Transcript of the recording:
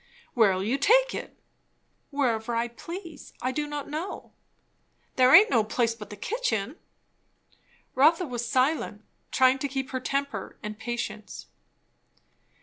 "Where'll you take it?" "Wherever I please. I do not know." "There aint no place but the kitchen." Rotha was silent, trying to keep temper and patience.